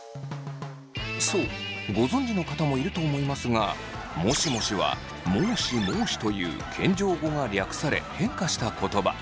そうご存じの方もいると思いますがもしもしは申し申しという謙譲語が略され変化した言葉。